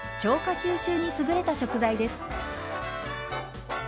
吸収に優れた食材です。